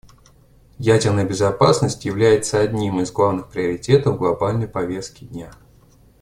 Ядерная безопасность является одним из главных приоритетов глобальной повестки дня.